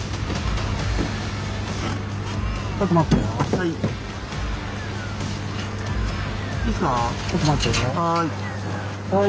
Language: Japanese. はい。